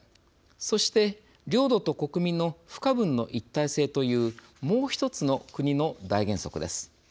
そして、領土と国民の不可分の一体性というもう１つの国の大原則です。